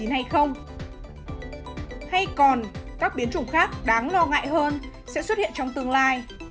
hay còn các biến chủng khác đáng lo ngại hơn sẽ xuất hiện trong tương lai